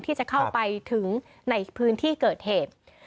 ที่จะเข้าไปถึงในพื้นที่เกิดเหตุ